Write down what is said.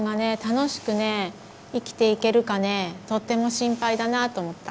楽しくね生きていけるかねとっても心配だなと思った。